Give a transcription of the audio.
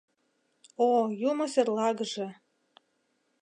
— О, юмо серлагыже!